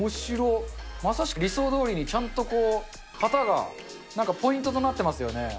まさしく理想どおりに、ちゃんとこう、旗が、なんかポイントとなってますよね。